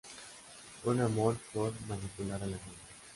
Un amor por manipular a la gente.